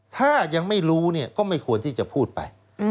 ถ้ายังไม่รู้ก็ไม่ควรที่จะพูดไป